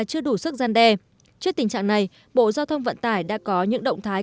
chưa đủ sức gian đe trước tình trạng này bộ giao thông vận tải đã có những động thái